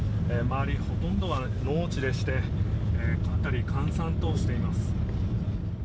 周り、ほとんどは農地でして辺りは閑散としています。